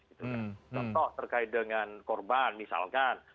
itu kan contoh terkait dengan korban misalkan